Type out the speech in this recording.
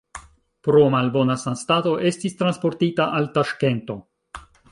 Pro malbona sanstato estis transportita al Taŝkento.